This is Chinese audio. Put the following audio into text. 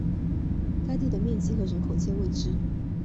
该地的面积和人口皆未知。